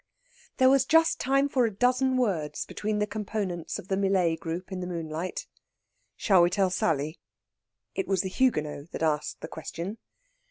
There was just time for a dozen words between the components of the Millais group in the moonlight. "Shall we tell Sally?" It was the Huguenot that asked the question.